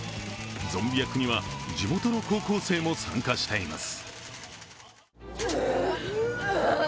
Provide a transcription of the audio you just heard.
ゾンビ役には地元の高校生も参加しています。